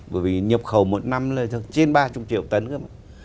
bởi vì nhập khẩu một năm lên trên ba mươi triệu tấn cơ mà